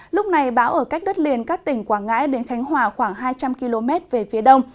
lúc này bão ở cách đất liền các tỉnh quảng ngãi đến khánh hòa khoảng hai trăm linh km về phía đông